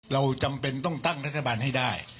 เราจำเป็นต้องตั้งรัฐบาลให้ได้